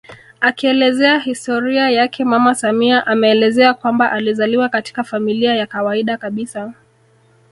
Akielezea historia yake mama samia ameelezea kwamba alizaliwa katika familia ya kawaida kabisa